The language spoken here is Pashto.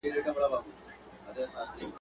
موږ هم یو په چاره پوري حیران څه به کوو؟.